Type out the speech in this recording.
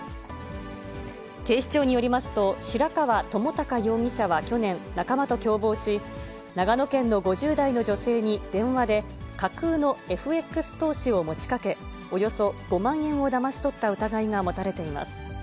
警視庁によりますと、白川朋孝容疑者は去年、仲間と共謀し、長野県の５０代の女性に、電話で架空のＦＸ投資を持ちかけ、およそ５万円をだまし取った疑いが持たれています。